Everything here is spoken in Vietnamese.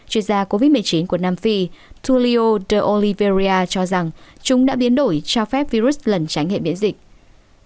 chuyên gia covid một mươi chín của nam phi tulio de oliveira cho rằng chúng đã biến đổi cho phép virus lần tránh hệ biễn dịch